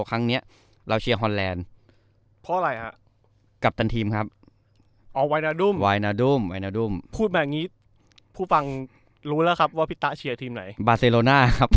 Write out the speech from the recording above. อันนี้เลยอันนี้เราเชียร์ฮอร์เลน